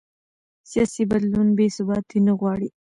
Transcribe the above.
سیاسي بدلون بې ثباتي نه غواړي